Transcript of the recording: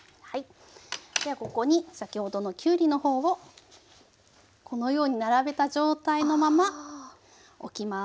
ではここに先ほどのきゅうりの方をこのように並べた状態のまま置きます。